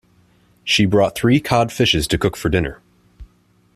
She bought three cod fishes to cook for dinner.